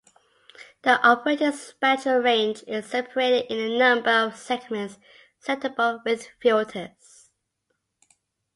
The operating spectral range is separated in a number of segments selectable with filters.